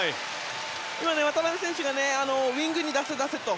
今、渡邊選手がウィングに出せ、出せと。